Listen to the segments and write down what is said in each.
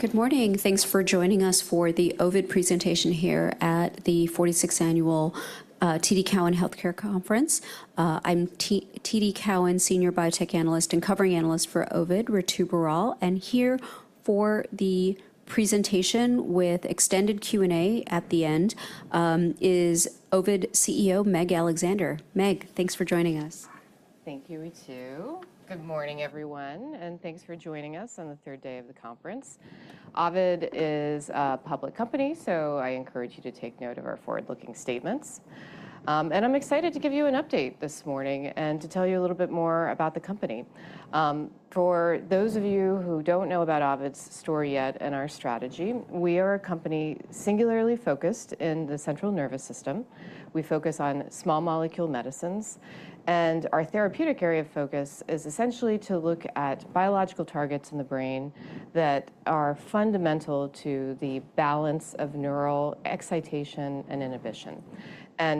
Good morning. Thanks for joining us for the Ovid presentation here at the 46th annual TD Cowen Healthcare Conference. I'm TD Cowen senior biotech analyst and covering analyst for Ovid, Ritu Baral. Here for the presentation with extended Q&A at the end, is Ovid CEO, Meg Alexander. Meg, thanks for joining us. Thank you, Ritu. Good morning, everyone, and thanks for joining us on the third day of the conference. Ovid is a public company, so I encourage you to take note of our forward-looking statements. I'm excited to give you an update this morning and to tell you a little bit more about the company. For those of you who don't know about Ovid's story yet and our strategy, we are a company singularly focused in the central nervous system. We focus on small molecule medicines. Our therapeutic area of focus is essentially to look at biological targets in the brain that are fundamental to the balance of neural excitation and inhibition.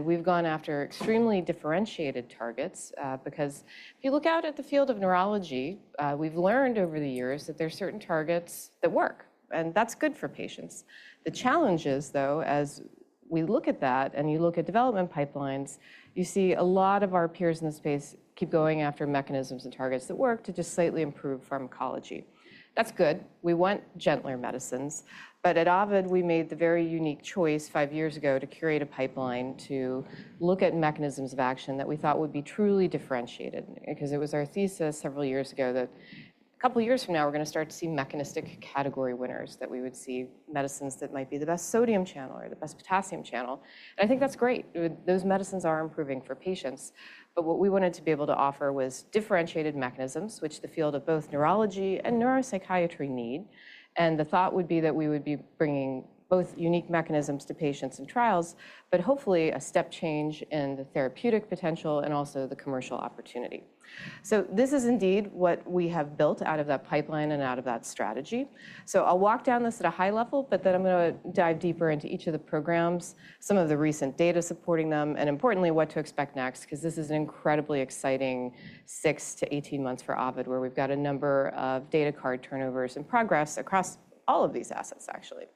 We've gone after extremely differentiated targets, because if you look out at the field of neurology, we've learned over the years that there are certain targets that work, and that's good for patients. The challenge is, though, as we look at that and you look at development pipelines, you see a lot of our peers in the space keep going after mechanisms and targets that work to just slightly improve pharmacology. That's good. We want gentler medicines. At Ovid, we made the very unique choice five years ago to curate a pipeline to look at mechanisms of action that we thought would be truly differentiated. It was our thesis several years ago that a couple of years from now, we're going to start to see mechanistic category winners, that we would see medicines that might be the best sodium channel or the best potassium channel. That's great. Those medicines are improving for patients. What we wanted to be able to offer was differentiated mechanisms which the field of both neurology and neuropsychiatry need. The thought would be that we would be bringing both unique mechanisms to patients in trials, but hopefully a step change in the therapeutic potential and also the commercial opportunity. This is indeed what we have built out of that pipeline and out of that strategy. I'll walk down this at a high level, but then I'm going to dive deeper into each of the programs, some of the recent data supporting them, and importantly, what to expect next, 'cause this is an incredibly exciting 6-18 months for Ovid, where we've got a number of data card turnovers and progress across all of these assets, actually.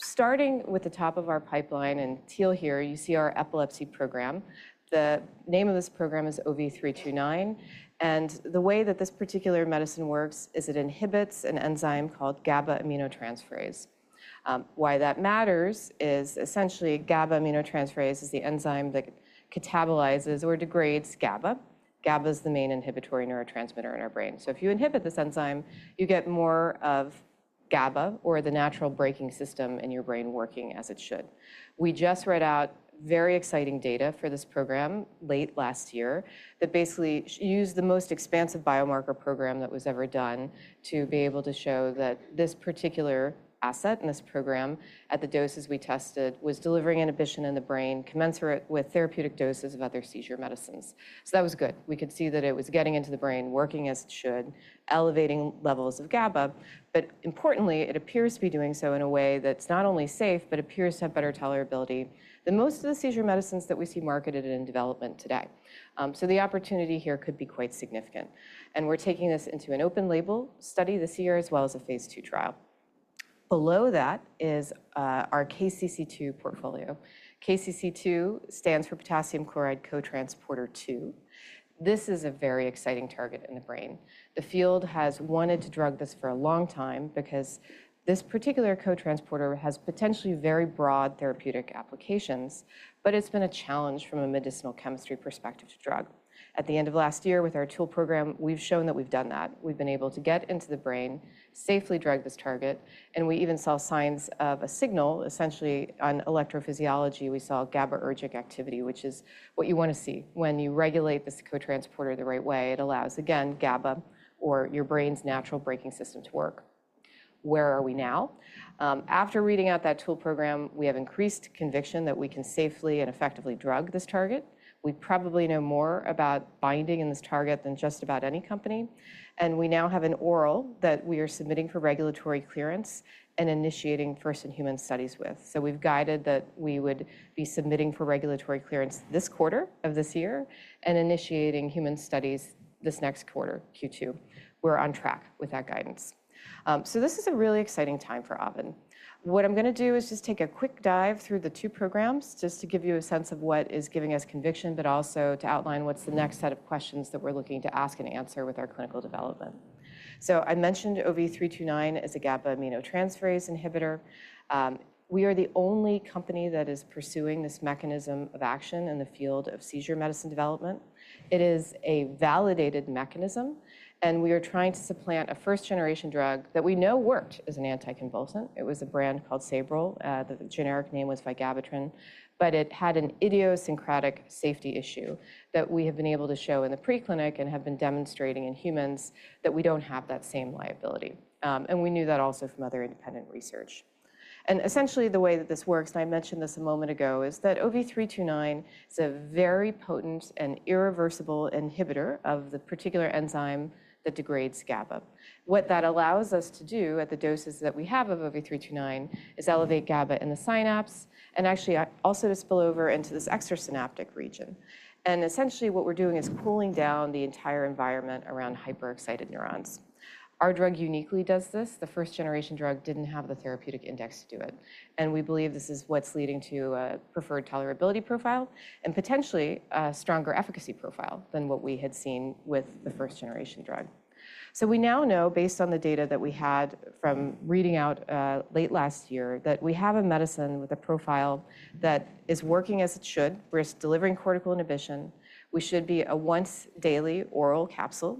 Starting with the top of our pipeline in teal here, you see our epilepsy program. The name of this program is OV329, and the way that this particular medicine works is it inhibits an enzyme called GABA aminotransferase. Why that matters is essentially GABA aminotransferase is the enzyme that catabolizes or degrades GABA. GABA is the main inhibitory neurotransmitter in our brain. If you inhibit this enzyme, you get more of GABA or the natural braking system in your brain working as it should. We just read out very exciting data for this program late last year that basically used the most expansive biomarker program that was ever done to be able to show that this particular asset in this program at the doses we tested was delivering inhibition in the brain commensurate with therapeutic doses of other seizure medicines. That was good. We could see that it was getting into the brain, working as it should, elevating levels of GABA. Importantly, it appears to be doing so in a way that's not only safe, but appears to have better tolerability than most of the seizure medicines that we see marketed in development today. The opportunity here could be quite significant. We're taking this into an open-label study this year, as well as a Phase II trial. Below that is our KCC2 portfolio. KCC2 stands for potassium-chloride cotransporter two. This is a very exciting target in the brain. The field has wanted to drug this for a long time because this particular cotransporter has potentially very broad therapeutic applications, but it's been a challenge from a medicinal chemistry perspective to drug. At the end of last year with our tool program, we've shown that we've done that. We've been able to get into the brain, safely drug this target, and we even saw signs of a signal, essentially on electrophysiology, we saw GABAergic activity, which is what you want to see. When you regulate this co-transporter the right way, it allows, again, GABA or your brain's natural braking system to work. Where are we now? After reading out that tool program, we have increased conviction that we can safely and effectively drug this target. We probably know more about binding in this target than just about any company. We now have an oral that we are submitting for regulatory clearance and initiating first in human studies with. We've guided that we would be submitting for regulatory clearance this quarter of this year and initiating human studies this next quarter, Q2. We're on track with that guidance. This is a really exciting time for Ovid. What I'm going to do is just take a quick dive through the two programs just to give you a sense of what is giving us conviction, but also to outline what's the next set of questions that we're looking to ask and answer with our clinical development. I mentioned OV329 is a GABA aminotransferase inhibitor. We are the only company that is pursuing this mechanism of action in the field of seizure medicine development. It is a validated mechanism, and we are trying to supplant a first-generation drug that we know worked as an anticonvulsant. It was a brand called Sabril, the generic name was vigabatrin, but it had an idiosyncratic safety issue that we have been able to show in the pre-clinic and have been demonstrating in humans that we don't have that same liability. We knew that also from other independent research. Essentially, the way that this works, and I mentioned this a moment ago, is that OV329 is a very potent and irreversible inhibitor of the particular enzyme that degrades GABA. What that allows us to do at the doses that we have of OV329 is elevate GABA in the synapse and actually also to spill over into this extrasynaptic region. Essentially, what we're doing is cooling down the entire environment around hyperexcited neurons. Our drug uniquely does this. The first-generation drug didn't have the therapeutic index to do it. We believe this is what's leading to a preferred tolerability profile and potentially a stronger efficacy profile than what we had seen with the first-generation drug. We now know based on the data that we had from reading out late last year that we have a medicine with a profile that is working as it should. We're delivering cortical inhibition. We should be a once-daily oral capsule.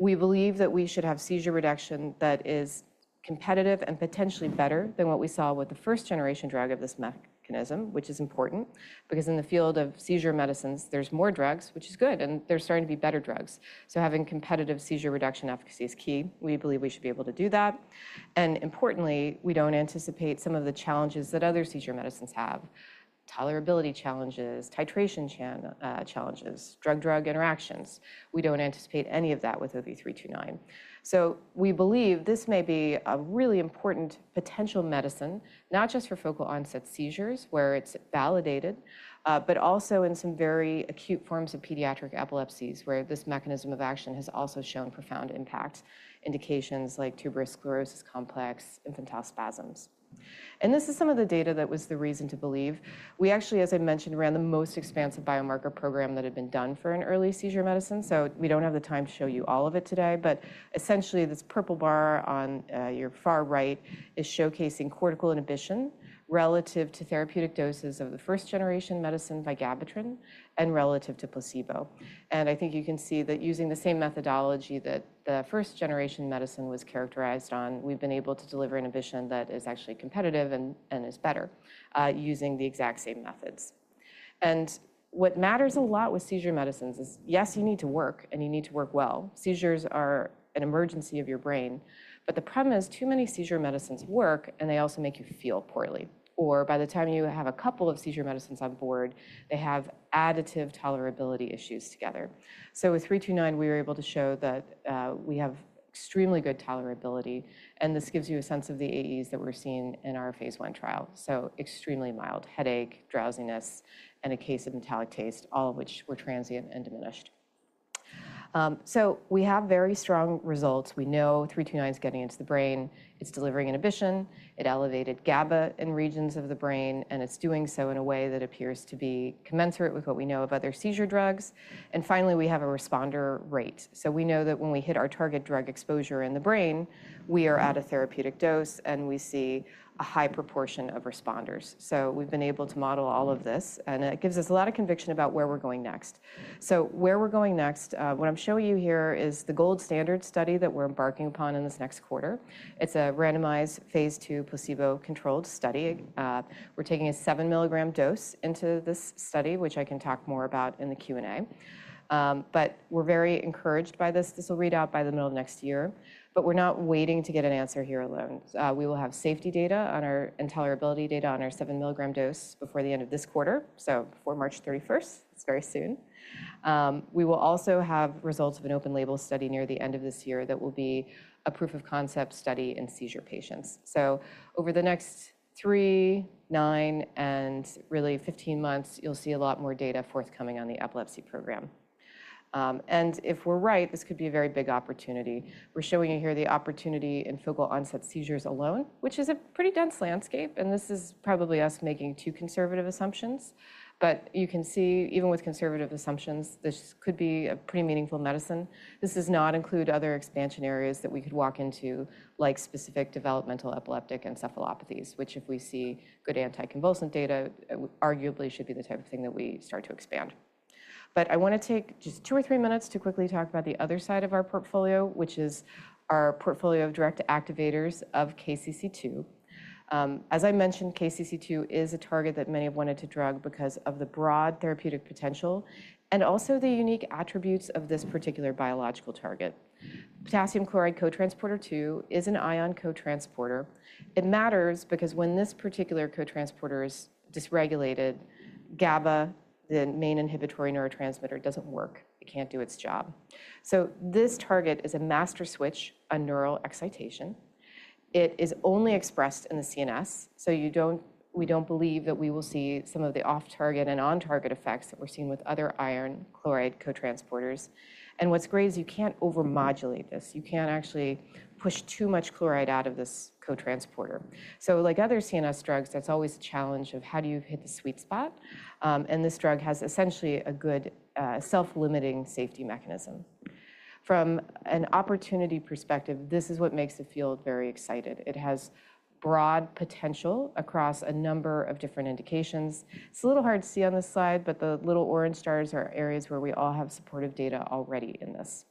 We believe that we should have seizure reduction that is competitive and potentially better than what we saw with the first-generation drug of this mechanism, which is important because in the field of seizure medicines, there's more drugs, which is good, and there's starting to be better drugs. Having competitive seizure reduction efficacy is key. We believe we should be able to do that. Importantly, we don't anticipate some of the challenges that other seizure medicines have. Tolerability challenges, titration challenges, drug-drug interactions. We don't anticipate any of that with OV329. We believe this may be a really important potential medicine, not just for focal onset seizures, where it's validated, but also in some very acute forms of pediatric epilepsies, where this mechanism of action has also shown profound impact. Indications like tuberous sclerosis complex, infantile spasms. This is some of the data that was the reason to believe. We actually, as I mentioned, ran the most expansive biomarker program that had been done for an early seizure medicine. We don't have the time to show you all of it today, but essentially, this purple bar on your far right is showcasing cortical inhibition relative to therapeutic doses of the first-generation medicine vigabatrin and relative to placebo. I think you can see that using the same methodology that the first-generation medicine was characterized on, we've been able to deliver inhibition that is actually competitive and is better using the exact same methods. What matters a lot with seizure medicines is, yes, you need to work, and you need to work well. Seizures are an emergency of your brain. The problem is too many seizure medicines work, and they also make you feel poorly. By the time you have a couple of seizure medicines on board, they have additive tolerability issues together. With three two nine, we were able to show that we have extremely good tolerability, and this gives you a sense of the AEs that we're seeing in our Phase I trial. Extremely mild headache, drowsiness, and a case of metallic taste, all of which were transient and diminished. We have very strong results. We know 329's getting into the brain. It's delivering inhibition. It elevated GABA in regions of the brain, and it's doing so in a way that appears to be commensurate with what we know of other seizure drugs. Finally, we have a responder rate. We know that when we hit our target drug exposure in the brain, we are at a therapeutic dose, and we see a high proportion of responders. We've been able to model all of this, and it gives us a lot of conviction about where we're going next. Where we're going next, what I'm showing you here is the gold standard study that we're embarking upon in this next quarter. It's a randomized Phase II placebo-controlled study. We're taking a 7-milligram dose into this study, which I can talk more about in the Q&A. We're very encouraged by this. This will read out by the middle of next year. We're not waiting to get an answer here alone. We will have safety data and tolerability data on our 7-milligram dose before the end of this quarter, so before March 31st. It's very soon. We will also have results of an open-label study near the end of this year that will be a proof of concept study in seizure patients. Over the next 3, 9, and really 15 months, you'll see a lot more data forthcoming on the epilepsy program. If we're right, this could be a very big opportunity. We're showing you here the opportunity in focal onset seizures alone, which is a pretty dense landscape. This is probably us making 2 conservative assumptions. You can see, even with conservative assumptions, this could be a pretty meaningful medicine. This does not include other expansion areas that we could walk into, like specific developmental epileptic encephalopathies, which if we see good anticonvulsant data, arguably should be the type of thing that we start to expand. I want to take just 2 or 3 minutes to quickly talk about the other side of our portfolio, which is our portfolio of direct activators of KCC2. As I mentioned, KCC2 is a target that many have wanted to drug because of the broad therapeutic potential and also the unique attributes of this particular biological target. Potassium-chloride cotransporter 2 is an ion cotransporter. It matters because when this particular cotransporter is dysregulated, GABA, the main inhibitory neurotransmitter, doesn't work. It can't do its job. This target is a master switch on neural excitation. It is only expressed in the CNS, so we don't believe that we will see some of the off-target and on-target effects that we're seeing with other ion chloride cotransporters. What's great is you can't over-modulate this. You can't actually push too much chloride out of this cotransporter. Like other CNS drugs, that's always a challenge of how do you hit the sweet spot. This drug has essentially a good self-limiting safety mechanism. From an opportunity perspective, this is what makes the field very excited. It has broad potential across a number of different indications. It's a little hard to see on this slide, but the little orange stars are areas where we all have supportive data already in this.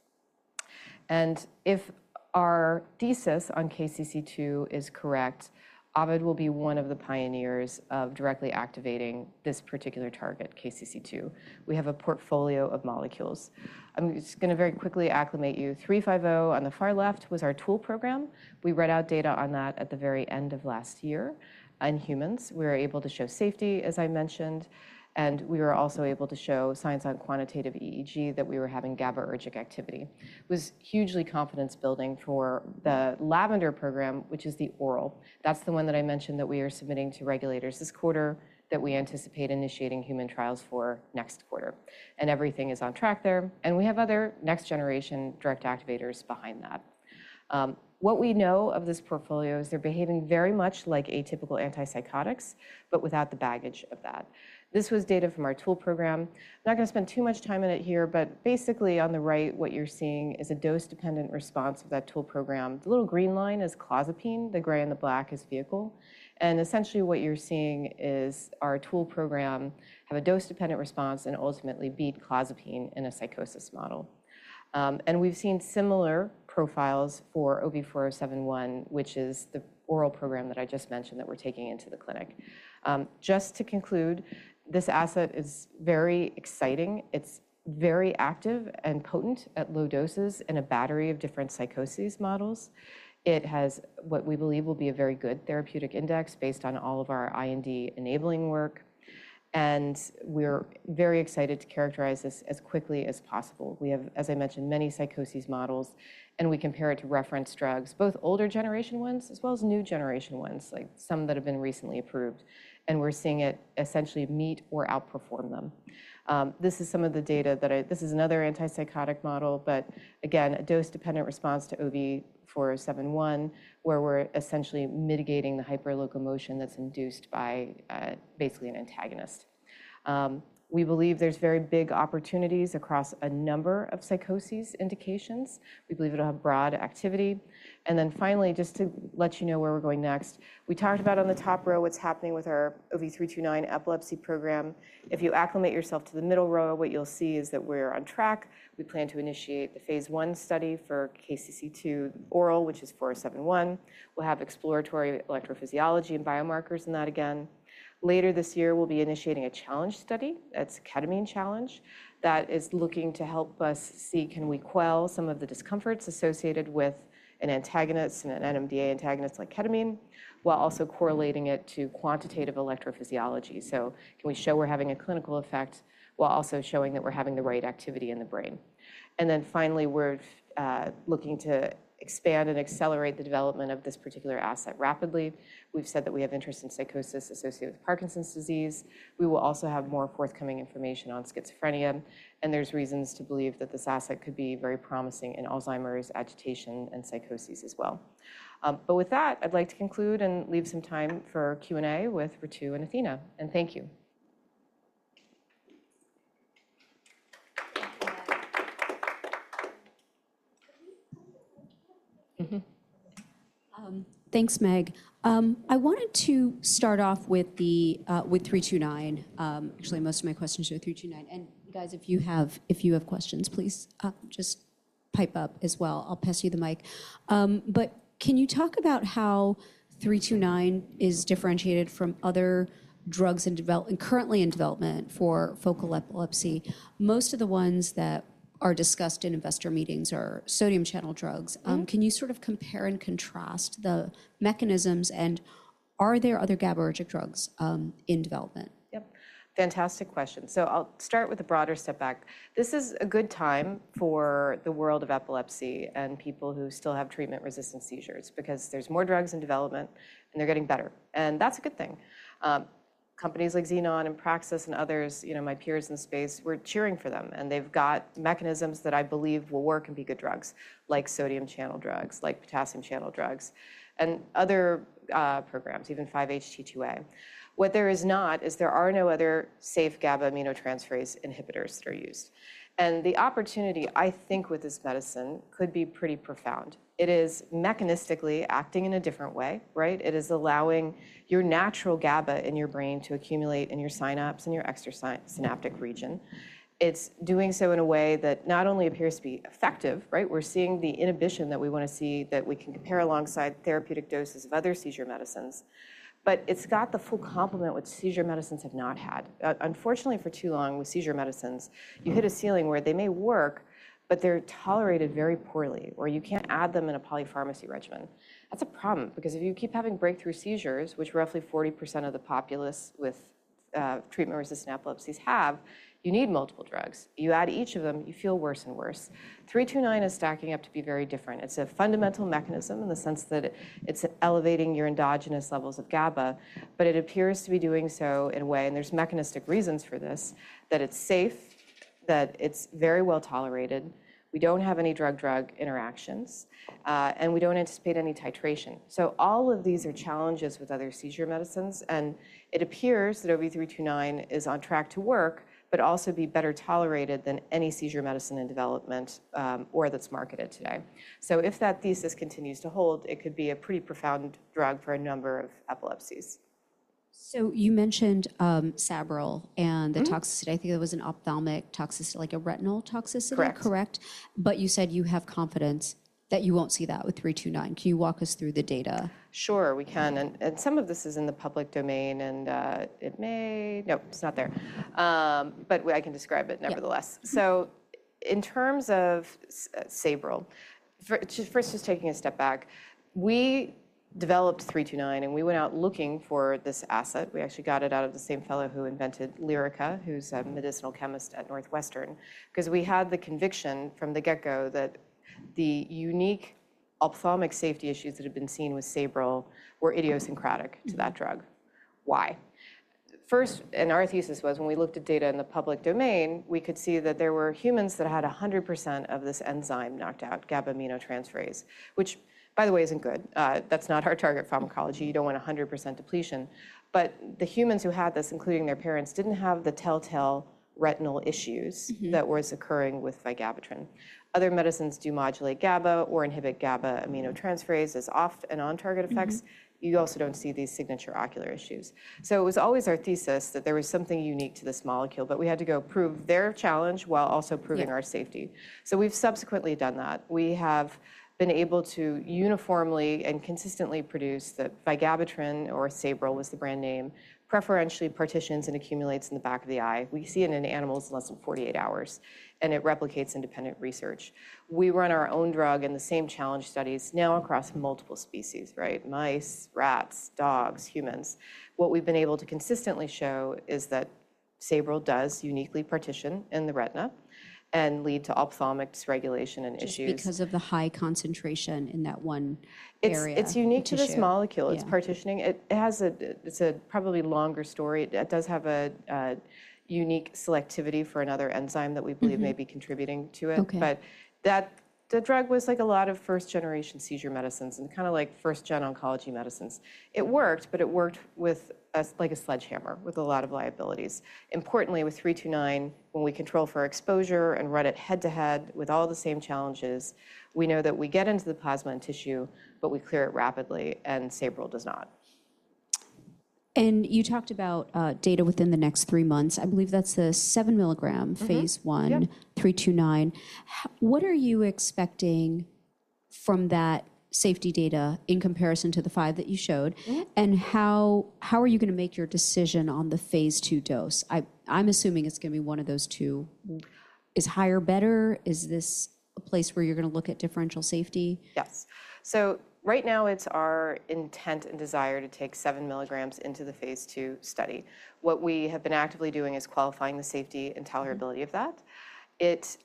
If our thesis on KCC2 is correct, Ovid will be one of the pioneers of directly activating this particular target, KCC2. We have a portfolio of molecules. I'm just going to very quickly acclimate you. Three five O on the far left was our tool program. We read out data on that at the very end of last year in humans. We were able to show safety, as I mentioned, and we were also able to show signs on quantitative EEG that we were having GABAergic activity. It was hugely confidence building for the lavender program, which is the oral. That's the one that I mentioned that we are submitting to regulators this quarter that we anticipate initiating human trials for next quarter. Everything is on track there, and we have other next-generation direct activators behind that. What we know of this portfolio is they're behaving very much like atypical antipsychotics, but without the baggage of that. This was data from our tool program. Not going to spend too much time on it here, but basically on the right what you're seeing is a dose-dependent response of that tool program. The little green line is clozapine. The gray and the black is vehicle. Essentially what you're seeing is our tool program have a dose-dependent response and ultimately beat clozapine in a psychosis model. We've seen similar profiles for OV4071, which is the oral program that I just mentioned that we're taking into the clinic. Just to conclude, this asset is very exciting. It's very active and potent at low doses in a battery of different psychosis models. It has what we believe will be a very good therapeutic index based on all of our IND enabling work. We're very excited to characterize this as quickly as possible. We have, as I mentioned, many psychosis models. We compare it to reference drugs, both older generation ones as well as new generation ones, like some that have been recently approved, and we're seeing it essentially meet or outperform them. This is another antipsychotic model, again, a dose-dependent response to OV4071, where we're essentially mitigating the hyperlocomotion that's induced by basically an antagonist. We believe there's very big opportunities across a number of psychosis indications. We believe it'll have broad activity. Finally, just to let where we're going next, we talked about on the top row what's happening with our OV329 epilepsy program. If you acclimate yourself to the middle row, what you'll see is that we're on track. We plan to initiate the phase I study for KCC2 oral, which is OV4071. We'll have exploratory electrophysiology and biomarkers in that again. Later this year, we'll be initiating a challenge study. That's ketamine challenge. That is looking to help us see, can we quell some of the discomforts associated with an antagonist and an NMDA antagonist like ketamine, while also correlating it to quantitative electrophysiology. Can we show we're having a clinical effect while also showing that we're having the right activity in the brain? Finally, we're looking to expand and accelerate the development of this particular asset rapidly. We've said that we have interest in psychosis associated with Parkinson's disease. We will also have more forthcoming information on schizophrenia, and there's reasons to believe that this asset could be very promising in Alzheimer's, agitation, and psychosis as well. With that, I'd like to conclude and leave some time for Q&A with Ritu and Athena. Thank you. Thanks, Meg. I wanted to start off with the OV329. Actually, most of my questions are OV329. You guys, if you have questions, please just pipe up as well. I'll pass you the mic. Can you talk about how OV329 is differentiated from other drugs currently in development for focal epilepsy? Most of the ones that are discussed in investor meetings are sodium channel drugs. Mm-hmm. Can you sort of compare and contrast the mechanisms, and are there other GABAergic drugs, in development? Yes. Fantastic question. I'll start with a broader step back. This is a good time for the world of epilepsy and people who still have treatment-resistant seizures because there's more drugs in development, and they're getting better, and that's a good thing. Companies like Xenon and Praxis and others, my peers in the space, we're cheering for them, and they've got mechanisms that I believe will work and be good drugs, like sodium channel drugs, like potassium channel drugs, and other programs, even 5-HT2A. What there is not is there are no other safe GABA aminotransferase inhibitors that are used. The opportunity, I think, with this medicine could be pretty profound. It is mechanistically acting in a different way, right? It is allowing your natural GABA in your brain to accumulate in your synapse, in your extra synaptic region. It's doing so in a way that not only appears to be effective, right? We're seeing the inhibition that we want to see that we can compare alongside therapeutic doses of other seizure medicines. It's got the full complement which seizure medicines have not had. Unfortunately for too long with seizure medicines, you hit a ceiling where they may work, but they're tolerated very poorly, or you can't add them in a polypharmacy regimen. That's a problem because if you keep having breakthrough seizures, which roughly 40% of the populace with treatment-resistant epilepsies have, you need multiple drugs. You add each of them, you feel worse and worse. Three two nine is stacking up to be very different. It's a fundamental mechanism in the sense that it's elevating your endogenous levels of GABA, but it appears to be doing so in a way, and there's mechanistic reasons for this, that it's safe, that it's very well-tolerated. We don't have any drug-drug interactions, and we don't anticipate any titration. All of these are challenges with other seizure medicines, and it appears that OV329 is on track to work but also be better tolerated than any seizure medicine in development, or that's marketed today. If that thesis continues to hold, it could be a pretty profound drug for a number of epilepsies. You mentioned, Sabril. Mm-hmm The toxicity. it was an ophthalmic toxicity, like a retinal toxicity. Correct. Correct. You said you have confidence that you won't see that with OV329. Can you walk us through the data? Sure, we can. Yeah. Some of this is in the public domain, and Nope, it's not there. I can describe it nevertheless. Yeah. In terms of Sabril. First, just taking a step back. We developed OV329, and we went out looking for this asset. We actually got it out of the same fellow who invented Lyrica, who's a medicinal chemist at Northwestern, 'cause we had the conviction from the get-go that the unique ophthalmic safety issues that had been seen with Sabril were idiosyncratic. Mm-hmm To that drug. Why? First, our thesis was when we looked at data in the public domain, we could see that there were humans that had 100% of this enzyme knocked out, GABA aminotransferase, which by the way, isn't good. That's not our target pharmacology. You don't want 100% depletion. The humans who had this, including their parents, didn't have the telltale retinal issues- Mm-hmm That was occurring with vigabatrin. Other medicines do modulate GABA or inhibit GABA aminotransferase as off and on target effects. Mm-hmm. You also don't see these signature ocular issues. It was always our thesis that there was something unique to this molecule, but we had to go prove their challenge while also proving. Yeah Our safety. We've subsequently done that. We have been able to uniformly and consistently produce the vigabatrin, or Sabril was the brand name, preferentially partitions and accumulates in the back of the eye. We see it in animals in less than 48 hours, and it replicates independent research. We run our own drug in the same challenge studies now across multiple species, right? Mice, rats, dogs, humans. What we've been able to consistently show is that Sabril does uniquely partition in the retina and lead to ophthalmic dysregulation and issues. Just because of the high concentration in that one area. It's unique to this molecule. Of the tissue. Yeah Its partitioning. It has a probably longer story. It does have a unique selectivity for another enzyme that we believe. Mm-hmm May be contributing to it. Okay. The drug was like a lot of first-generation seizure medicines and kinda like first-gen oncology medicines. It worked, but it worked like a sledgehammer with a lot of liabilities. Importantly, with OV329, when we control for exposure and run it head to head with all the same challenges, we know that we get into the plasma and tissue, but we clear it rapidly, and Sabril does not. You talked about, data within the next three months. I believe that's the. Mm-hmm Phase I Yes The OV329. What are you expecting from that safety data in comparison to the five that you showed? Yeah. How are you going to make your decision on the Phase II dose? I'm assuming it's going to be one of those two. Is higher better? Is this a place where you're going to look at differential safety? Yes. right now, it's our intent and desire to take 7 milligrams into the Phase II study. What we have been actively doing is qualifying the safety and tolerability. Mm-hmm of that.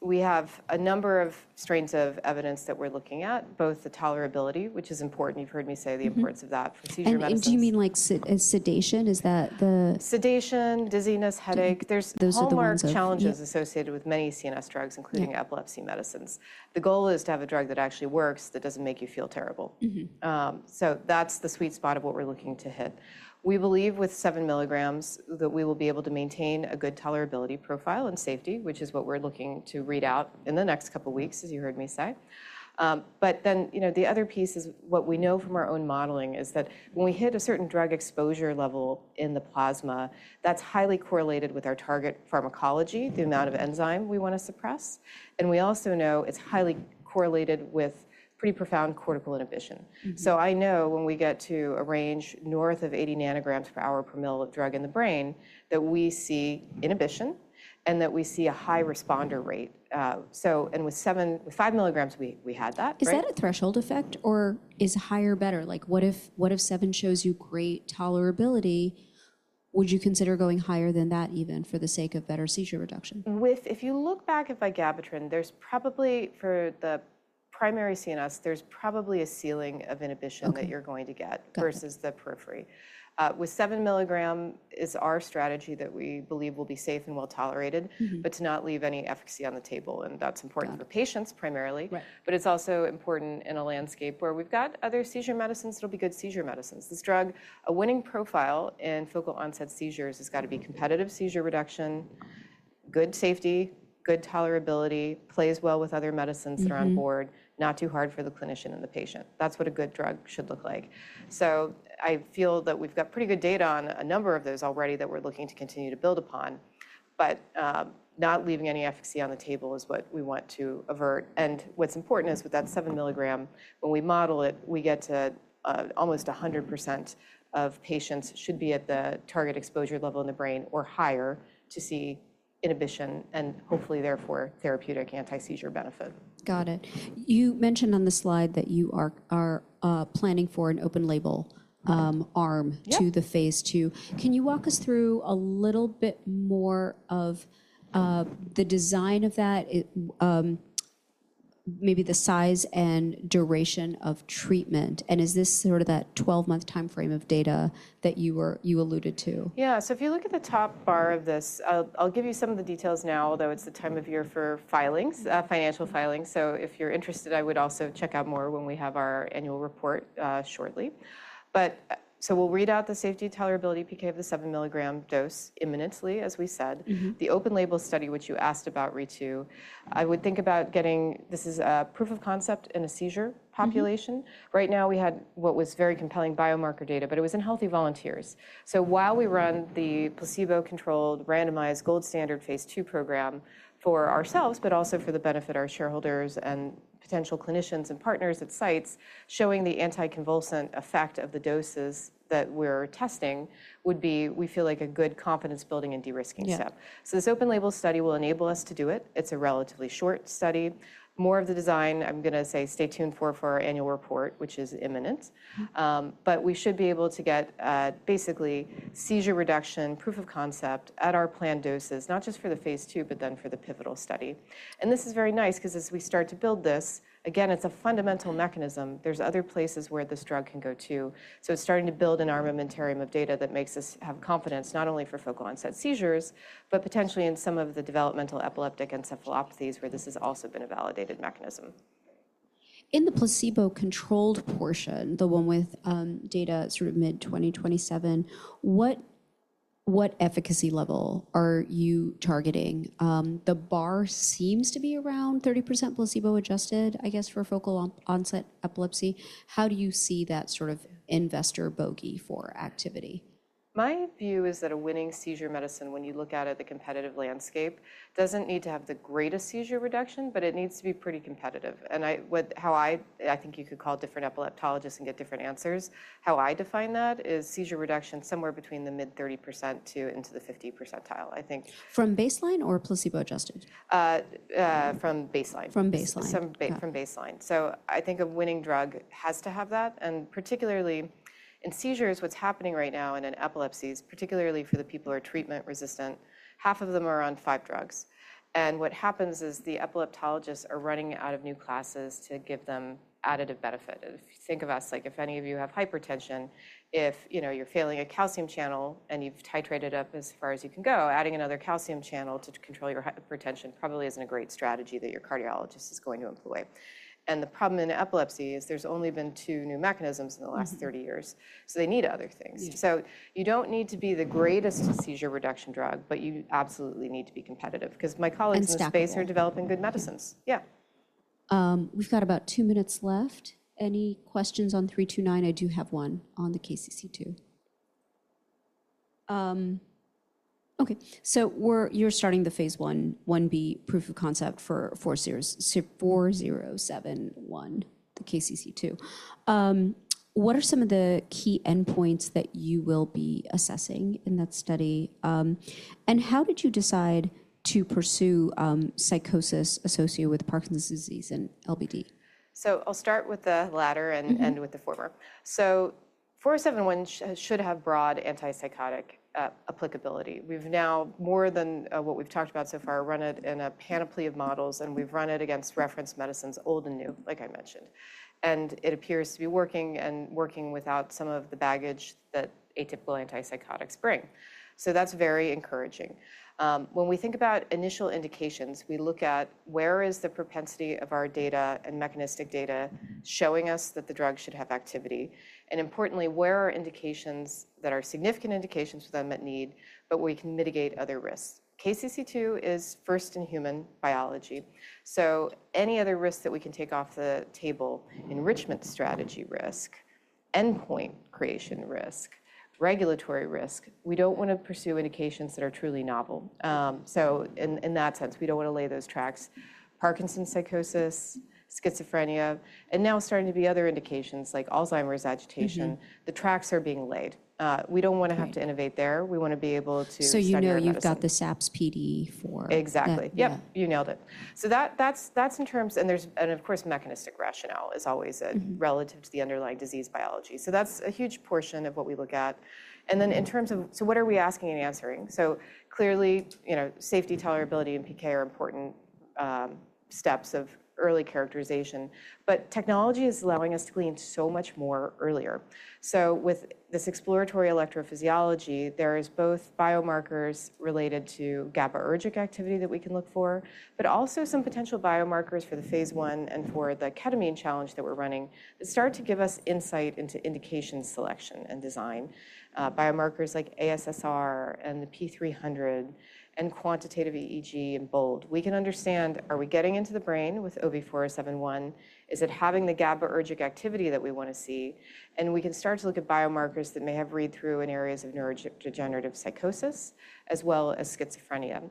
We have a number of strains of evidence that we're looking at, both the tolerability, which is important. You've heard me say the. Mm-hmm Importance of that for seizure medicines. Do you mean like sedation? Is that? Sedation, dizziness, headache. Those are the ones that. Hallmark challenges associated with many CNS drugs, including. Yeah Epilepsy medicines. The goal is to have a drug that actually works, that doesn't make you feel terrible. Mm-hmm. That's the sweet spot of what we're looking to hit. We believe with seven milligrams that we will be able to maintain a good tolerability profile and safety, which is what we're looking to read out in the next couple weeks, as you heard me say. The other piece is what we know from our own modeling is that when we hit a certain drug exposure level in the plasma, that's highly correlated with our target pharmacology- Mm-hmm The amount of enzyme we want to suppress, and we also know it's highly correlated with pretty profound cortical inhibition. Mm-hmm. I know when we get to a range north of 80 nanograms per hour per ml of drug in the brain, that we see inhibition and that we see a high responder rate. With five milligrams, we had that, right? Is that a threshold effect, or is higher better? Like, what if seven shows you great tolerability, would you consider going higher than that even for the sake of better seizure reduction? If you look back at vigabatrin, there's probably, for the primary CNS, there's probably a ceiling of inhibition. Okay that you're going to get. Okay Versus the periphery. With seven milligram is our strategy that we believe will be safe and well-tolerated. Mm-hmm To not leave any efficacy on the table, and that's important. Got it. For patients primarily. Right. It's also important in a landscape where we've got other seizure medicines that'll be good seizure medicines. This drug, a winning profile in focal onset seizures has gotta be competitive seizure reduction, good safety, good tolerability, plays well with other medicines that are. Mm-hmm On board, not too hard for the clinician and the patient. That's what a good drug should look like. I feel that we've got pretty good data on a number of those already that we're looking to continue to build upon. Not leaving any efficacy on the table is what we want to avert. What's important is with that 7 milligram, when we model it, we get to almost 100% of patients should be at the target exposure level in the brain or higher to see inhibition and hopefully therefore therapeutic anti-seizure benefit. Got it. You mentioned on the slide that you are planning for an open label arm. Yes T`o the Phase II. Can you walk us through a little bit more of, the design of that? Maybe the size and duration of treatment. Is this sort of that 12-month timeframe of data that you alluded to? Yeah. If you look at the top bar of this, I'll give you some of the details now, although it's the time of year for filings, financial filings. If you're interested, I would also check out more when we have our annual report shortly. We'll read out the safety tolerability PK of the 7-milligram dose imminently, as we said. Mm-hmm. The open label study, which you asked about, Ritu, I would think about getting. This is a proof of concept in a seizure population. Mm-hmm. Right now, we had what was very compelling biomarker data, but it was in healthy volunteers. While we run the placebo-controlled randomized gold standard phase two program for ourselves, but also for the benefit of our shareholders and potential clinicians and partners at sites, showing the anticonvulsant effect of the doses that we're testing would be, we feel like, a good confidence-building and de-risking step. Yeah. This open label study will enable us to do it. It's a relatively short study. More of the design, I'm going to say stay tuned for our annual report, which is imminent. We should be able to get basically seizure reduction, proof of concept at our planned doses, not just for the Phase II, but then for the pivotal study. This is very nice because as we start to build this, again, it's a fundamental mechanism. There's other places where this drug can go to. It's starting to build an armamentarium of data that makes us have confidence, not only for focal onset seizures, but potentially in some of the developmental and epileptic encephalopathies where this has also been a validated mechanism. In the placebo-controlled portion, the one with, data sort of mid-2027, what efficacy level are you targeting? The bar seems to be around 30% placebo-adjusted, I guess, for focal on-onset epilepsy. How do you see that sort of investor bogey for activity? My view is that a winning seizure medicine, when you look out at the competitive landscape, doesn't need to have the greatest seizure reduction, but it needs to be pretty competitive. I think you could call different epileptologists and get different answers. How I define that is seizure reduction somewhere between the mid-30% to into the 50th percentile, I think. From baseline or placebo-adjusted? From baseline. From baseline. From baseline. I think a winning drug has to have that. Particularly in seizures, what's happening right now, and in epilepsies, particularly for the people who are treatment-resistant, half of them are on five drugs. What happens is the epileptologists are running out of new classes to give them additive benefit. If you think of us, like if any of you have hypertension, if you're failing a calcium channel and you've titrated up as far as you can go, adding another calcium channel to control your hypertension probably isn't a great strategy that your cardiologist is going to employ. The problem in epilepsy is there's only been two new mechanisms in the last 30 years, so they need other things. Yeah. You don't need to be the greatest seizure reduction drug, but you absolutely need to be competitive because my colleagues in this space are developing good medicines. Yeah. We've got about two minutes left. Any questions on OV329? I do have one on the KCC2. You're starting the phase I, IB proof of concept for OV4071, the KCC2. What are some of the key endpoints that you will be assessing in that study? How did you decide to pursue psychosis associated with Parkinson's disease and LBD? I'll start with the latter and end with the former. OV4071 should have broad antipsychotic applicability. We've now, more than what we've talked about so far, run it in a panoply of models, and we've run it against reference medicines, old and new, like I mentioned. It appears to be working and working without some of the baggage that atypical antipsychotics bring. That's very encouraging. When we think about initial indications, we look at where is the propensity of our data and mechanistic data showing us that the drug should have activity, and importantly, where are indications that are significant indications for them at need, but we can mitigate other risks. KCC2 is first in human biology, so any other risks that we can take off the table, enrichment strategy risk, endpoint creation risk, regulatory risk. We don't want to pursue indications that are truly novel. In, in that sense, we don't want to lay those tracks. Parkinson's psychosis, schizophrenia, and now starting to be other indications like Alzheimer's agitation. Mm-hmm. The tracks are being laid. We don't want to have to innovate there. We want to be able to study our medicine. You've got the SAPS-PD for. Exactly. Yeah. You nailed it. That's in terms. There's. Of course, mechanistic rationale is always a relative to the underlying disease biology. That's a huge portion of what we look at. In terms of what are we asking and answering? Clearly safety, tolerability, and PK are important steps of early characterization. Technology is allowing us to glean so much more earlier. With this exploratory electrophysiology, there is both biomarkers related to GABAergic activity that we can look for, but also some potential biomarkers for the phase one and for the ketamine challenge that we're running that start to give us insight into indication selection and design. Biomarkers like ASSR and the P300 and quantitative EEG and BOLD. We can understand, are we getting into the brain with OV4071? Is it having the GABAergic activity that we want to see? We can start to look at biomarkers that may have read-through in areas of neurodegenerative psychosis as well as schizophrenia.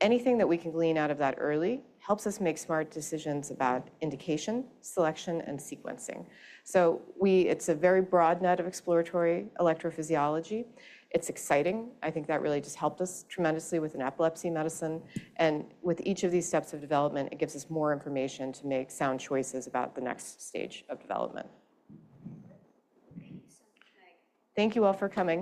Anything that we can glean out of that early helps us make smart decisions about indication, selection, and sequencing. It's a very broad net of exploratory electrophysiology. It's exciting. I think that really just helped us tremendously with an epilepsy medicine. With each of these steps of development, it gives us more information to make sound choices about the next stage of development. Okay. Tonight. Thank you all for coming.